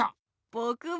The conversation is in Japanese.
ぼくも。